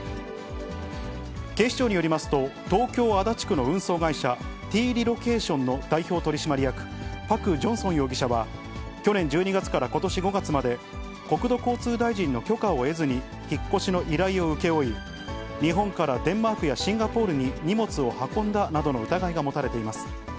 警視庁によりますと、東京・足立区の運送会社、ＴＲＥＬＯＣＡＴＩＯＮの代表取締役、パク・ジョンソン容疑者は、去年１２月からことし５月まで、国土交通大臣の許可を得ずに引っ越しの依頼を請け負い、日本からデンマークやシンガポールに荷物を運んだなどの疑いが持たれています。